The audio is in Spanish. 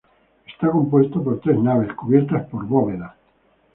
Está compuesto por tres naves, cubiertas por bóvedas.